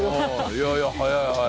いやいや早い早い。